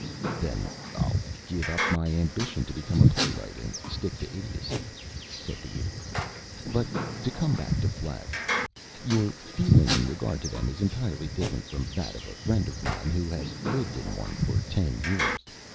"Then I'll give up my ambition to become a playwright and stick to idiocy," said the Idiot. "But to come back to flats. Your feeling in regard to them is entirely different from that of a friend of mine, who has lived in one for ten years.